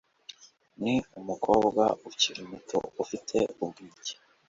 Ni umukobwa ukiri muto ufite ubwenge